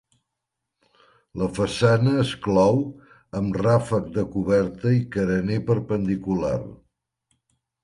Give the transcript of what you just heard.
La façana es clou amb ràfec de coberta i carener perpendicular.